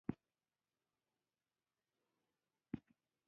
زه د ټولګي د کارونو ارزونه کوم.